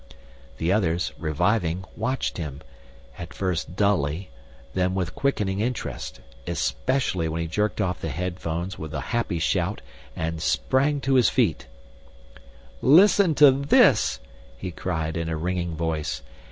The others, reviving, watched him, at first dully, then with quickening interest, especially when he jerked off the earphones with a happy shout and sprang to his feet. "Listen to this!" he cried in a ringing voice.